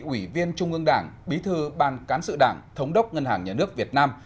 ủy viên trung ương đảng bí thư ban cán sự đảng thống đốc ngân hàng nhà nước việt nam